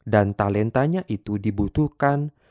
dan talentanya itu dibutuhkan